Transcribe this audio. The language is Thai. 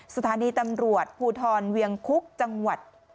สถานีตำรวจภูทรเวียงคุกจังหวัด